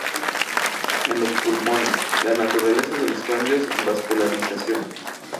En los pulmones, la naturaleza de los cambios de vascularización.